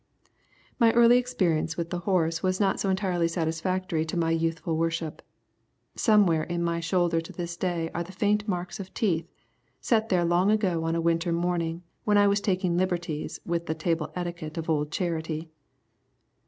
My early experience with the horse was not so entirely satisfactory to my youthful worship. Somewhere on my shoulder to this day are the faint marks of teeth, set there long ago on a winter morning when I was taking liberties with the table etiquette of old Charity.